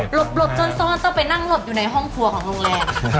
หลบซ่อนต้องไปนั่งหลบอยู่ในห้องครัวของโรงแรม